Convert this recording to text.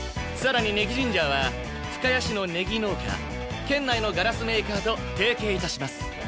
さらにネギジンジャーは深谷市のネギ農家県内のガラスメーカーと提携致します。